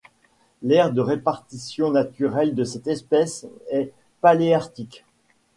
L'aire de répartition naturelle de cette espèce est paléarctique.